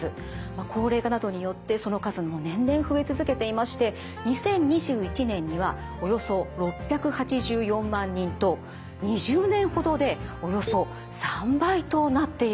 高齢化などによってその数も年々増え続けていまして２０２１年にはおよそ６８４万人と２０年ほどでおよそ３倍となっているんです。